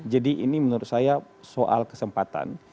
ini menurut saya soal kesempatan